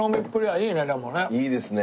いいですね。